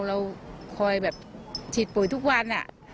เราคอยฉีดปูยต์ทุกวัน